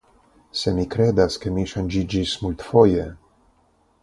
Sed mi kredas ke mi ŝanĝiĝis multfoje.